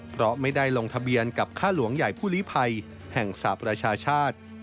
เพราะไม่ได้ลงทะเบียนกับค่าหลวงใหญ่ผู้ลิภัยแห่งสหประชาชาติ